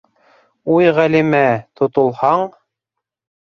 Уй Ғәлимә-ә... тотолһаң?!